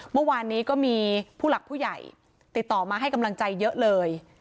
เมื่อวานนี้ก็มีผู้หลักผู้ใหญ่ติดต่อมาให้กำลังใจเยอะเลย